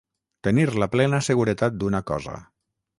Tenir la plena seguretat d'una cosa.